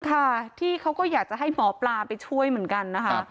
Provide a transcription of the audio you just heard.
ค่ะที่เขาก็อยากจะให้หมอปลาไปช่วยเหมือนกันนะคะ